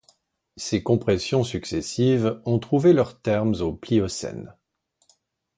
Ces compressions successives ont trouvé leurs termes au Pliocène.